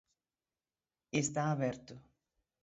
Está aberto.